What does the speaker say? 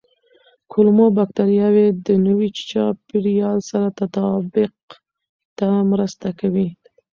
کولمو بکتریاوې د نوي چاپېریال سره تطابق ته مرسته کوي.